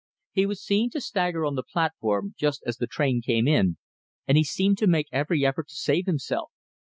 "He was seen to stagger on the platform just as the train came in, and he seemed to make every effort to save himself.